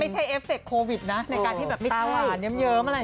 ไม่ใช่เอฟเฟคโควิดนะในการที่ไม่ตาหวานเยอะ